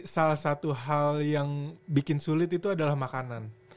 salah satu hal yang bikin sulit itu adalah makanan